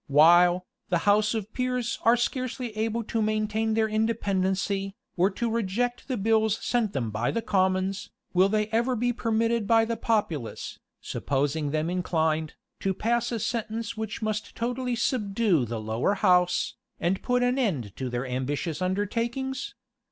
While, the house of peers are scarcely able to maintain their independency, or to reject the bills sent them by the commons, will they ever be permitted by the populace, supposing them inclined, to pass a sentence which must totally subdue the lower house, and put an end to their ambitious undertakings?